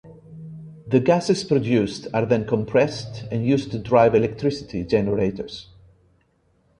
The gases produced are then compressed and used to drive electricity generators.